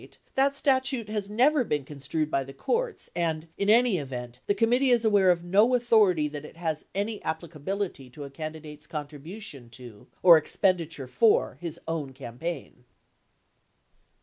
890 that statute has never been construed by the courts and, in any event, the committee is aware of no authority that it has any applicability to a candidate's contribution to or expenditure for his own campaign.